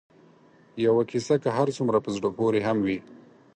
یوه کیسه که هر څومره په زړه پورې هم وي